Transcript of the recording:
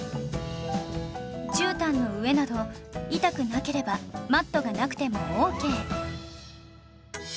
じゅうたんの上など痛くなければマットがなくてもオーケー